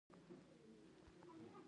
د سیاسي اړېکو په جوړولو کې اغېزه درلوده.